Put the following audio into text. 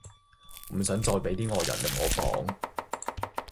唔想再畀啲外人入我房